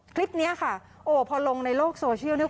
คลิปนี้ค่ะโอ้พอลงในโลกโซเชียลเนี่ย